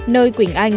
nơi quỳnh anh